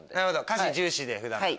歌詞重視で普段から。